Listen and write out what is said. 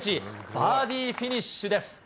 バーディーフィニッシュです。